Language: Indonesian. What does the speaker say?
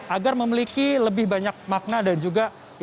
agar memiliki lebih banyak makna dan juga